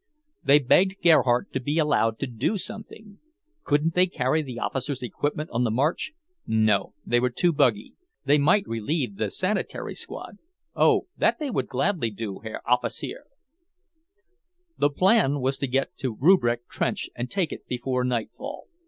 They begged Gerhardt to be allowed to do something. Couldn't they carry the officers' equipment on the march? No, they were too buggy; they might relieve the sanitary squad. Oh, that they would gladly do, Herr Offizier! The plan was to get to Rupprecht trench and take it before nightfall.